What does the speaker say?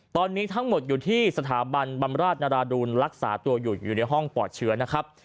ตอนนี้ทั้งหมดอยู่ที่สถาบันบำราชนราดูลรักษาตัวอยู่ในห้องปลอดเชื้อนะครับ